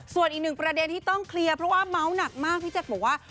ซี่เขนบอกว่ามีบัญชีร้านอะไรอย่างนี้ร้านพิธาร์พูดภาพ